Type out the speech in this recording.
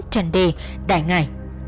trần đề đại ngải